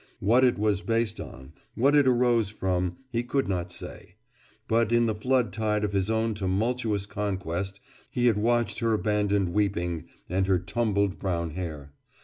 What it was based on, what it arose from, he could not say. But in the flood tide of his own tumultuous conquest he had watched her abandoned weeping and her tumbled brown hair.